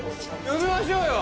「呼びましょうよ！」